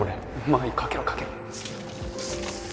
いいかけろかけろ